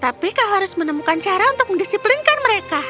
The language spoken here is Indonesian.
tapi kau harus menemukan cara untuk mendisiplinkan mereka